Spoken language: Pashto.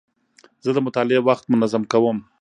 زه د مطالعې وخت منظم کوم.